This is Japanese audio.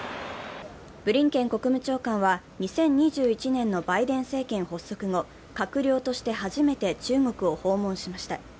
ブリンケン国務長官２０２１年のバイデン政権発足後、閣僚として初めて中国を訪問しました。